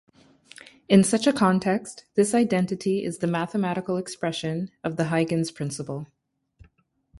In such a context, this identity is the mathematical expression of the Huygens principle.